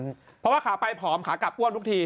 เพราะว่าขาไปผอมขากลับอ้วนทุกที